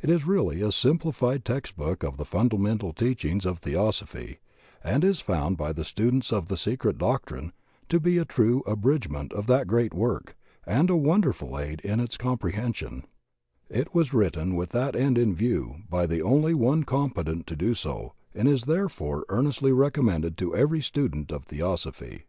It is really a simplified text boK)k of the fundamental teachings of Theosophy, and is found by students of the "Secret Doctrine" to be a true abridgement of that great work and a wonderful aid in its comprehension; it was written with that end in view by the only one competent to do so and is there fore eamestiy recommended to every student of The osophy.